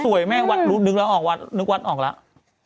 สวยแม่งนึกวัดออกแล้ว